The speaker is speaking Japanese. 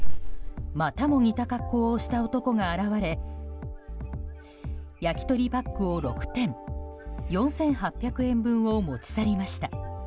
またも似た格好をした男が現れ焼き鳥パックを６点４８００円分を持ち去りました。